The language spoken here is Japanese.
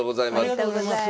ありがとうございます。